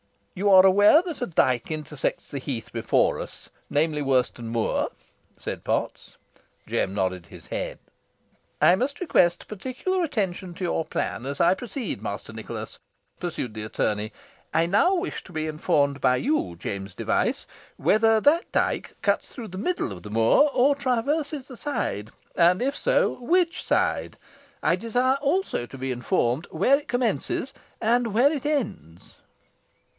"You are aware that a dyke intersects the heath before us, namely, Worston Moor?" said Potts. Jem nodded his head. "I must request particular attention to your plan as I proceed, Master Nicholas," pursued the attorney. "I now wish to be informed by you, James Device, whether that dyke cuts through the middle of the moor, or traverses the side; and if so, which side? I desire also to be informed where it commences, and where, it ends?"